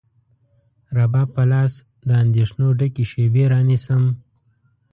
رباب په لاس، د اندېښنو ډکې شیبې رانیسم